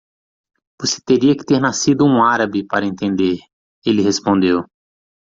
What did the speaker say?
"Você teria que ter nascido um árabe para entender?" ele respondeu.